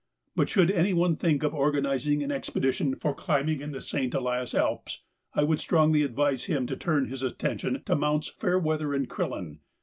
But, should any one think of organising an expedition for climbing in the St. Elias Alps, I would strongly advise him to turn his attention to Mounts Fairweather and Crillon.